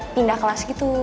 pindah kelas gitu